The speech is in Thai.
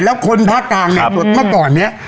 แล้วคนภาคกลางเนี่ยเมื่อก่อนเนี่ย